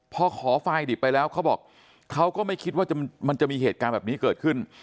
พอขอไฟล์ดิบไปแล้วเขาบอกเขาก็ไม่คิดว่ามันจะมีเหตุการณ์แบบนี้เกิดขึ้น